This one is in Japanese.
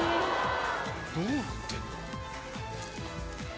どうなってるの？